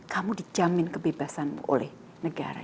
kamu dijamin kebebasanmu oleh negara